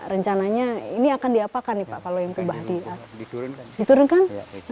rencananya ini akan diapakan pak kalau yang kubah diturunkan